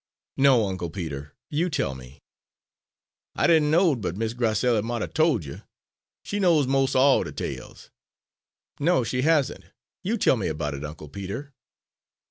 "No, Uncle Peter you tell me." "I didn' knowed but Miss Grac'ella mought a tole you she knows mos' all de tales." "No, she hasn't. You tell me about it, Uncle Peter."